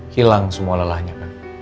hilang semua lelahnya kang